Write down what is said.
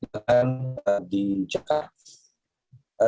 dan di jakarta